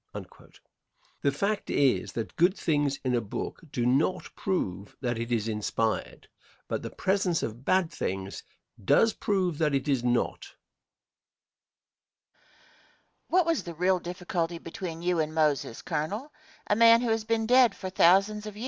The fact is that good things in a book do not prove that it is inspired, but the presence of bad things does prove that it is not. Question. What was the real difficulty between you and Moses, Colonel, a man who has been dead for thousands of years?